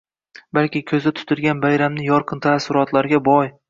Balki ko‘zda tutilgan bayramni yorqin, taassurotlarga boy.